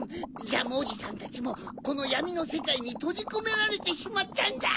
ジャムおじさんたちもこのやみのせかいにとじこめられてしまったんだ！